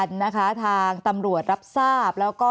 แอนตาซินเยลโรคกระเพาะอาหารท้องอืดจุกเสียดแสบร้อน